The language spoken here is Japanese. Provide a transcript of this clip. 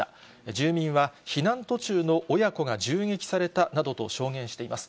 住民は避難途中の親子が銃撃されたなどと証言しています。